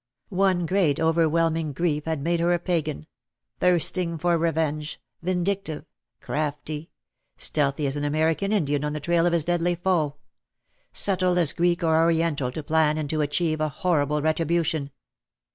One great overwhelming grief had made her a Pagan — thirsting for revenge — vindic tive — crafty — stealthy as an American Indian on the trail of his deadly foe — subtle as Greek or Oriental to plan and to achieve a horrible retribution.